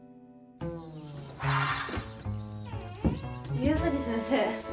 家藤先生。